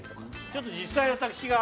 ちょっと実際私が。